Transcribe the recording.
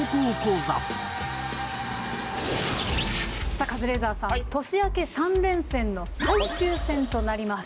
さあカズレーザーさん年明け３連戦の最終戦となります。